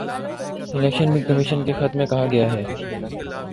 election commission کے خط میں کہا گیا ہے